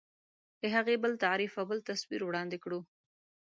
د هغې بل تعریف او بل تصویر وړاندې کړو.